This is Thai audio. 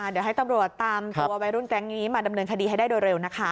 เดี๋ยวให้ตำรวจตามตัววัยรุ่นแก๊งนี้มาดำเนินคดีให้ได้โดยเร็วนะคะ